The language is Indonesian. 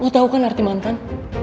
lo tau kan arti mantan